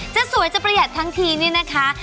จะสวยจะประหยัดทั้งทีนี่นะคะ